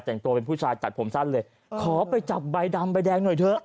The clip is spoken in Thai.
แต่งตัวเป็นผู้ชายตัดผมสั้นเลยขอไปจับใบดำใบแดงหน่อยเถอะ